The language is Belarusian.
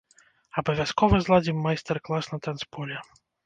Абавязкова зладзім майстар-клас на танцполе.